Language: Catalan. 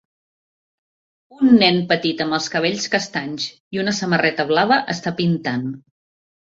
Un nen petit amb els cabells castanys i una samarreta blava està pintant.